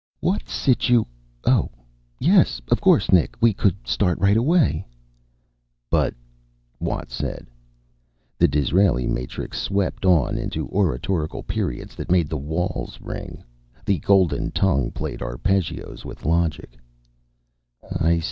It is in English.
"What situa oh, yes. Of course, Nick. We could start right away." "But " Watt said. The Disraeli matrix swept on into oratorical periods that made the walls ring. The golden tongue played arpeggios with logic.